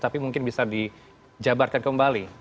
tapi mungkin bisa dijabarkan kembali